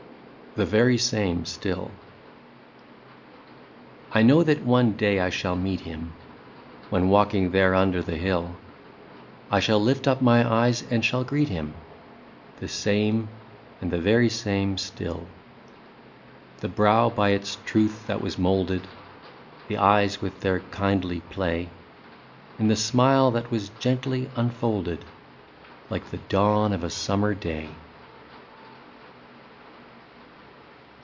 123 THE VERY SAME STILL. I KNOW that one day I shall meet him, When walking there under the hill ; I shall lift up my eyes and shall greet him, The same, and the very same still ; The brow by its truth that was moulded. The eyes with their kindly play. And the smile that was gently unfolded, Like the dawn of a summer day.